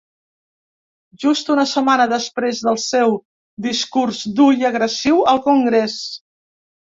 Just una setmana després del seu discurs dur i agressiu al congrés.